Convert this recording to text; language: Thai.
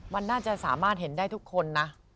มันน่าจะสามารถเห็นได้ทุกคนนะ